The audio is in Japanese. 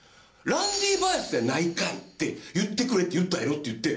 「“ランディ・バースやないかい！って言ってくれ”って言ったやろ？」って言って。